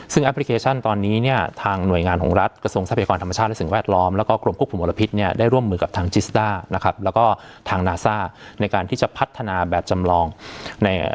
ซึ่งแอปพลิเคชันตอนนี้เนี่ยทางหน่วยงานของรัฐกระทรวงทรัพยากรธรรมชาติและสิ่งแวดล้อมแล้วก็กรมควบคุมมลพิษเนี่ยได้ร่วมมือกับทางจิสด้านะครับแล้วก็ทางนาซ่าในการที่จะพัฒนาแบบจำลองในเอ่อ